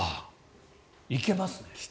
行けますね。